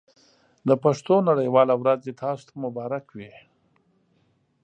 د پښتو نړۍ واله ورځ دې تاسو ته مبارک وي.